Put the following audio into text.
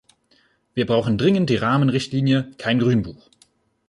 Wir brauchen dringend die Rahmenrichtlinie, kein Grünbuch.